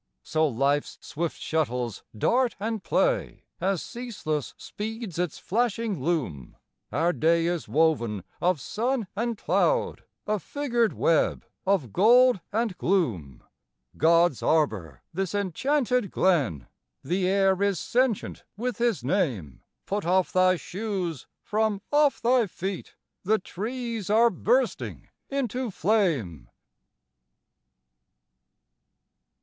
(So life's swift shuttles dart and play, As ceaseless speeds its flashing loom; Our day is woven of sun and cloud, A figured web of gold and gloom.) God's arbor, this enchanted Glen! The air is sentient with His name; Put off thy shoes from off thy feet, The trees are bursting into flame!